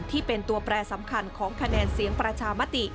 ที่เป็นตัวแปรสำคัญของคะแนนเสียงประชามติ